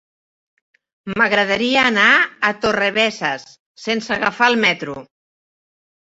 M'agradaria anar a Torrebesses sense agafar el metro.